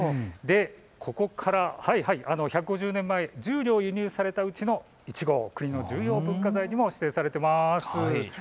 ここから１５０年、１０両輸入されたうちの１号、国の重要文化財にも指定されています。